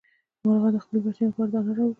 مارغه د خپلو بچیو لپاره دانه راوړي.